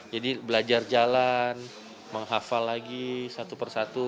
jadi belajar jalan menghafal lagi satu per satu